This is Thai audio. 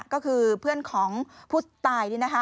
ก็คือเพื่อนของผู้ตาย